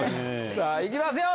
さあいきますよ！